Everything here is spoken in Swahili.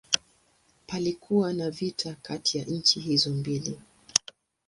Palikuwa na vita kati ya nchi hizo mbili.